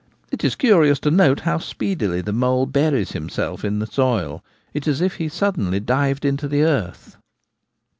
It is curious to note how speedily the mole buries himself in the soil ; it is as if he suddenly dived into the earth.